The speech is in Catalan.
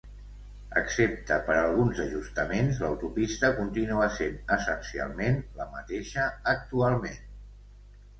Excepte per alguns ajustaments, l'autopista continua sent essencialment la mateixa actualment.